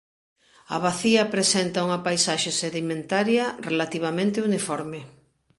A bacía presenta unha paisaxe sedimentaria relativamente uniforme.